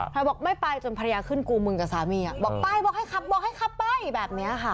พี่บอกไม่ไปจนภรรยาขึ้นกลูร์มึงกับสามีอะบอกให้ขับไว้แบบนี้ค่ะ